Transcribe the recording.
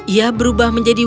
ia berubah menjadi